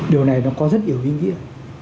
điều này nó có rất nhiều ý nghĩa